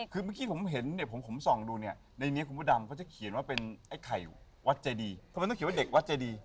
คือเมื่อกี้ผมเห็นเนี่ยผมส่องดูเนี่ยในนี้คุณพระดำเขาจะเขียนว่าเป็นไอ้ไข่วัดเจดีทำไมต้องเขียนว่าเด็กวัดเจดี